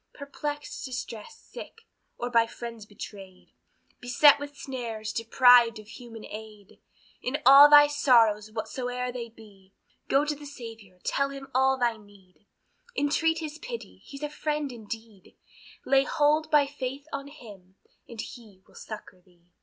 Perplexed, distressed, sick, or by friends betrayed, Beset with snares, deprived of human aid, In all thy sorrows whatsoe'er they be, Go to the Saviour, tell him all thy need, Entreat his pity, he's a friend indeed; Lay hold by faith on Him, and he will succor thee.